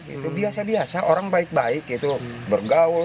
itu biasa biasa orang baik baik itu bergaul